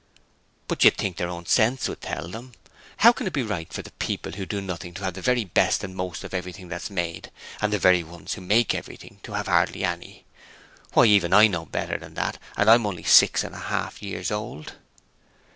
'But you'd think their own sense would tell them! How can it be right for the people who do nothing to have the very best and most of everything thats made, and the very ones who make everything to have hardly any. Why even I know better than that, and I'm only six and a half years old.'